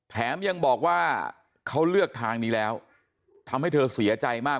แถมยังบอกว่าเขาเลือกทางนี้แล้วทำให้เธอเสียใจมาก